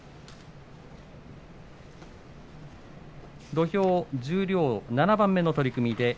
土俵、十両７番目の取組です。